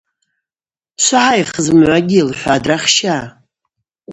Швгӏайх зымгӏвагьи, – лхӏватӏ рахща.